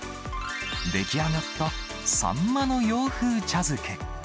出来上がったサンマの洋風茶漬け。